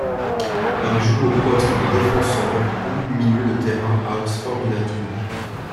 Il joue au poste de défenseur ou milieu de terrain à Oxford United.